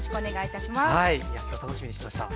いや今日楽しみにしてました。